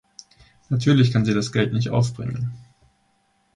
Natürlich kann sie das Geld nicht aufbringen.